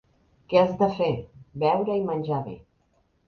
Què has de fer? —Beure i menjar bé.